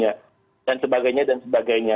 jadi sampai akhirnya